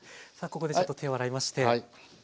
ここでちょっと手を洗いまして。